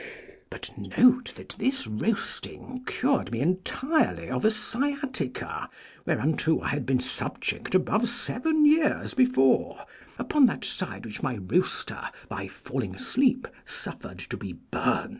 But note that this roasting cured me entirely of a sciatica, whereunto I had been subject above seven years before, upon that side which my roaster by falling asleep suffered to be burnt.